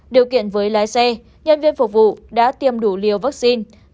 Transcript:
điều kiện với lái xe nhân viên phục vụ đã tiêm đủ liều vaccine